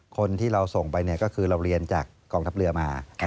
คนที่เราส่งไปก็คือเราเรียนจากกองทัพเรือมา